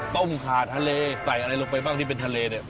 ขาทะเลใส่อะไรลงไปบ้างที่เป็นทะเลเนี่ย